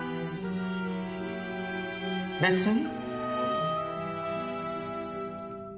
別に。